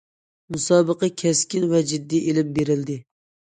مۇسابىقە كەسكىن ۋە جىددىي ئېلىپ بېرىلدى.